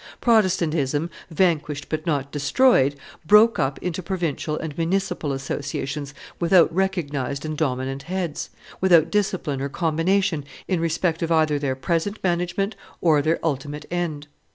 Protestantism, vanquished but not destroyed, broke up into provincial and municipal associations without recognized and dominant heads, without discipline or combination in respect of either their present management or their ultimate end.